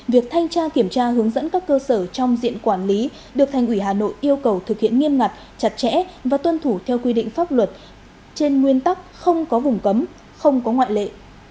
việc thanh tra kiểm tra hướng dẫn các cơ sở trong diện quản lý được thành ủy hà nội yêu cầu thực hiện nghiêm ngặt chặt chẽ và tuân thủ theo quy định pháp luật trên nguyên tắc không có vùng cấm không có ngoại lệ